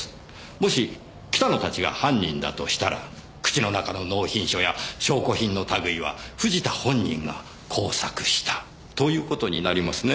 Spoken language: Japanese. もし北野たちが犯人だとしたら口の中の納品書や証拠品の類は藤田本人が工作したという事になりますね。